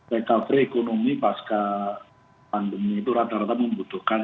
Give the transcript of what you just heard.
recovery ekonomi pasca pandemi itu rata rata membutuhkan